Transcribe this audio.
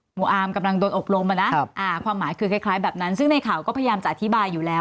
อามกำลังโดนอบรมอะนะความหมายคือคล้ายแบบนั้นซึ่งในข่าวก็พยายามจะอธิบายอยู่แล้ว